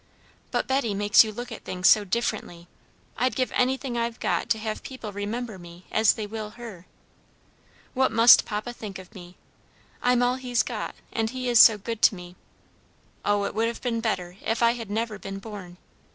But Betty makes you look at things so differently. I'd give anything I've got to have people remember me as they will her. What must papa think of me? I'm all he's got, and he is so good to me! Oh, it would have been better if I had never been born!